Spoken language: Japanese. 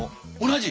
同じ？